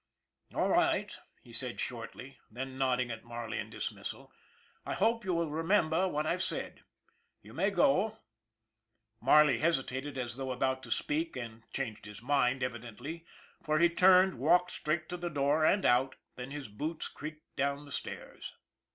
" All right," he said shortly; then, nodding at Mar ley in dismissal :" I hope you will remember what I've said. You may go." Marley hesitated as though about to speak and changed his mind, evidently, for he turned, walked straight to the door and out, then his boots creaked down the stairs.